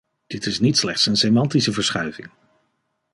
Dit is niet slechts een semantische verschuiving.....